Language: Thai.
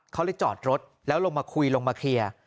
เขาเลยจอดรถแล้วลงมาคุยลงมาเคลียร์